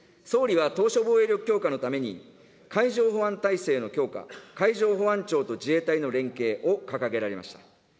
総理は島しょ防衛力強化のために、海上保安体制の強化、海上保安庁と自衛隊の連携を掲げられました。